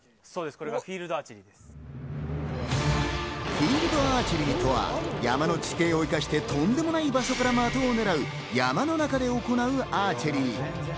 フィールドアーチェリーとは山の地形を生かしてとんでもない場所から的を狙う、山の中で行うアーチェリー。